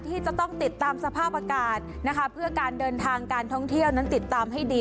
ที่จะต้องติดตามสภาพอากาศนะคะเพื่อการเดินทางการท่องเที่ยวนั้นติดตามให้ดี